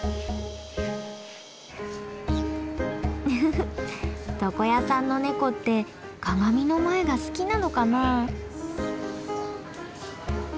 フフフ床屋さんのネコって鏡の前が好きなのかな？